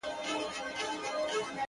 چي په ګور کي به یې مړې خندوله!.